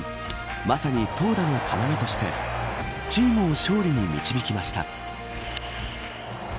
まさに、投打の要としてチームを勝利に導きました。